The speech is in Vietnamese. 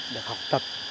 được học tập